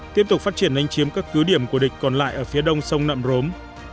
tiếp tục phát triển đánh chiếm các cứ điểm của địch còn lại ở phía đông sông nậm rốm